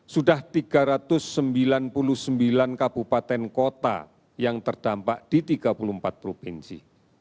sudah tiga ratus sembilan puluh sembilan kabupaten kota yang terdampak di tiga puluh empat provinsi